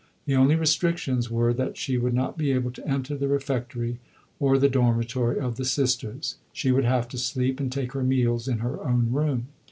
The only restrictions were that she would not be able to enter the refectory or the dormitory of the Sisters. She would have to sleep and take her meals in her own room.